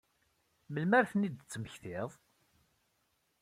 Melmi ara ad ten-id-temmektiḍ?